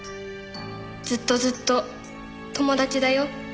「ずっとずっと友達だよ」